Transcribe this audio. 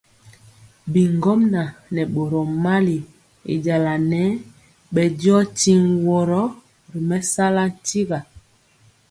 Bi ŋgomnaŋ nɛ boro mali, y jala nɛɛ bɛ diɔ tiŋg woro ri mɛsala ntira.